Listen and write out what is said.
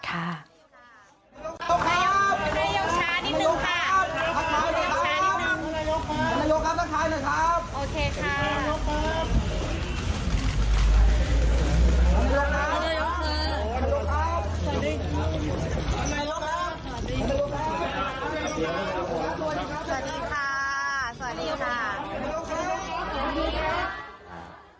สวัสดีค่ะสวัสดีค่ะ